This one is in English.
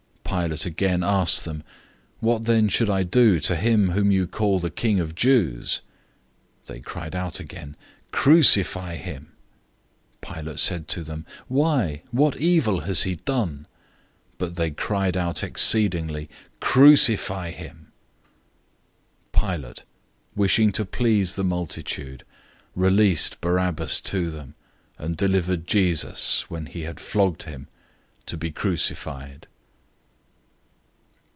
015:012 Pilate again asked them, "What then should I do to him whom you call the King of the Jews?" 015:013 They cried out again, "Crucify him!" 015:014 Pilate said to them, "Why, what evil has he done?" But they cried out exceedingly, "Crucify him!" 015:015 Pilate, wishing to please the multitude, released Barabbas to them, and handed over Jesus, when he had flogged him, to be crucified.